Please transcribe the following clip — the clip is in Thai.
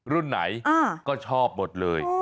รุ่นไหนก็ชอบหมดเลย